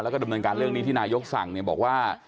แล้วก็ดำเนินการเรื่องนี้ที่นายกสั่งเนี่ยบอกว่า